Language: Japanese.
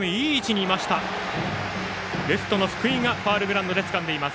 レフトの福井がファウルグラウンドでつかんでいます。